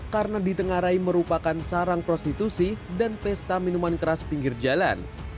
karena ditengarai merupakan sarang prostitusi dan pesta minuman keras pinggir jalan